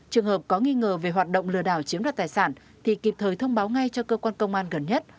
trường hợp có nghi ngờ về hoạt động lừa đảo chiếm đoạt tài sản thì kịp thời thông báo ngay cho cơ quan công an gần nhất